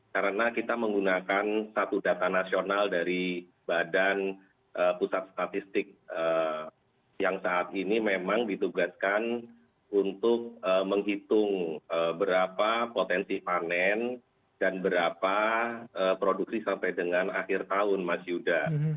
karena kita menggunakan satu data nasional dari badan pusat statistik yang saat ini memang ditugaskan untuk menghitung berapa potensi panen dan berapa produksi sampai dengan akhir tahun mas yuda